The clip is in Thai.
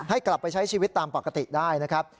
กลับไปใช้ชีวิตตามปกติได้นะครับ